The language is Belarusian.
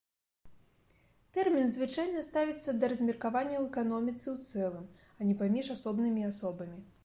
Тэрмін звычайна ставіцца да размеркавання ў эканоміцы ў цэлым, а не паміж асобнымі асобамі.